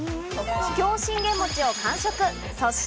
桔梗信玄餅を完食。